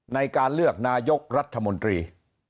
ในการเลือกนายกรัฐมนตรี